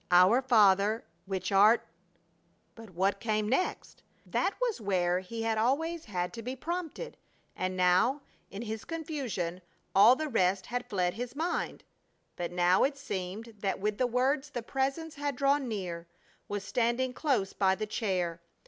"Our Father which art" but what came next? That was where he had always had to be prompted, and now, in his confusion, all the rest had fled from his mind. But now it seemed that with the words the Presence had drawn near, was standing close by the chair.